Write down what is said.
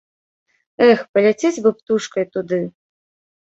Эх, паляцець бы птушкай туды!